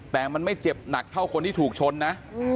แต่มันไม่เจ็บหนักเท่าคนที่ถูกชนนะ